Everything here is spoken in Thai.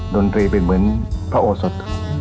ดนตรีเป็นเหมือนพระโอสด